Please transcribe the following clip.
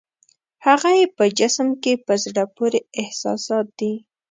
هغه یې په جسم کې په زړه پورې احساسات دي.